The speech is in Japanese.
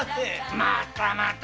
またまた。